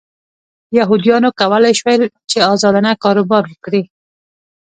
یهودیانو کولای شول چې ازادانه کاروبار وکړي.